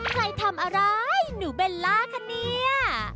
ใครทำอะไรหนูเบลล่าคะเนี่ย